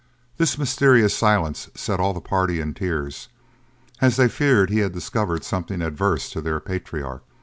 This mysterious silence set all the party in tears, as they feared he had discovered something adverse to their patriarch.